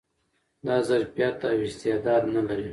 دا ظرفيت او استعداد نه لري